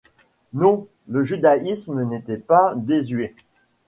Non, le judaïsme n’était pas désuet.